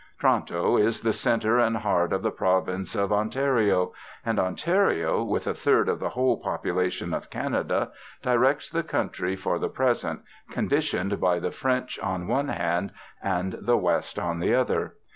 Toronto is the centre and heart of the Province of Ontario; and Ontario, with a third of the whole population of Canada, directs the country for the present, conditioned by the French on one hand and the West on the other.